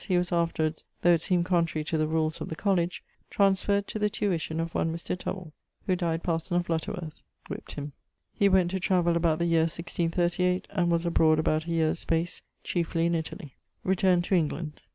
], he was afterwards (though it seemed contrary to the rules of the college) transferred to the tuition of one Mr. Tovell, who dyed parson of Lutterworth. [XXI.] Whip't him. He went to travell about the year 1638 and was abroad about a year's space, cheifly in Italy. <_Return to England.